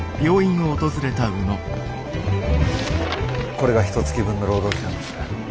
これがひとつき分の労働時間です。